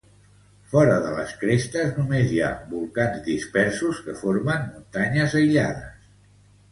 Fora de les crestes només hi ha volcans dispersos que formen muntanyes aïllades.